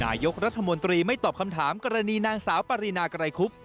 นายกรัฐมนตรีไม่ตอบคำถามกรณีนางสาวปรินาไกรคุบ